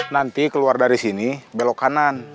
nanti keluar dari sini belok kanan